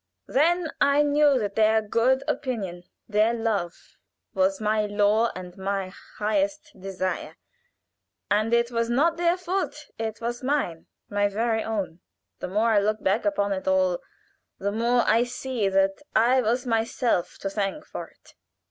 Then I knew that their good opinion, their love, was my law and my highest desire. And it was not their fault it was mine my very own. "The more I look back upon it all, the more I see that I have myself to thank for it.